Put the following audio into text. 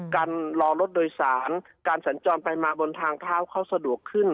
การรอรถโดยสารการสัญจรไปมาบนทางเท้าเขาสะดวกขึ้น